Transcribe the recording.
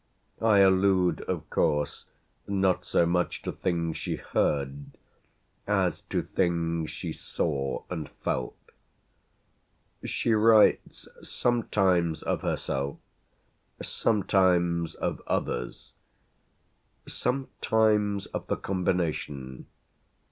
I allude of course not so much to things she heard as to things she saw and felt. She writes sometimes of herself, sometimes of others, sometimes of the combination.